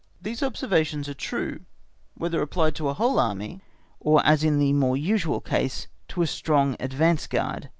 These observations are true, whether applied to a whole Army or as in the more usual case, to a strong advance guard.